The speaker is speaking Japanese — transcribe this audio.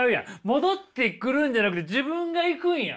戻ってくるんじゃなくて自分が行くんやん。